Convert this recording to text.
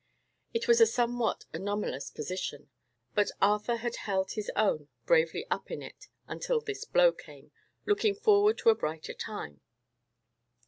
It was a somewhat anomalous position; but Arthur had held his own bravely up in it until this blow came, looking forward to a brighter time.